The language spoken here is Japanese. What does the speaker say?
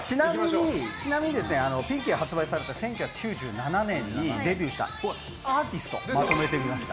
ちなみに、ピンキーが発売された１９９７年にデビューしたアーティストをまとめてみました。